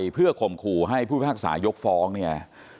เพื่อข่มขู่ให้ผู้พิพากษายกฟ้องเนี่ย